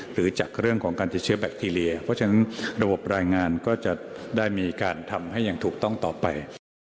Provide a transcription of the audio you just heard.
หรือจากเรื่องของการติดเชื้อแบคทีเรียเพราะฉะนั้นระบบรายงานก็จะได้มีการทำให้อย่างถูกต้องต่อไป